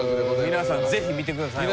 皆さんぜひ見てください。